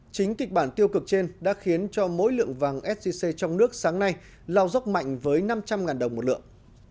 chính kịch bản tiêu cực trên đã khiến cho mỗi lượng vàng sgc trong nước sáng nay lao dốc mạnh với năm trăm linh đồng một lượng